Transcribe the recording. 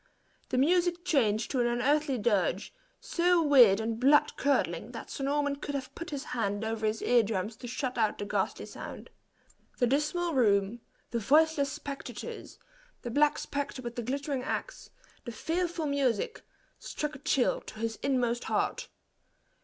The music changed to an unearthly dirge, so weird and blood curdling, that Sir Norman could have put his hands over his ear drums to shut out the ghastly sound. The dismal room, the voiceless spectators, the black spectre with the glittering axe, the fearful music, struck a chill to his inmost heart.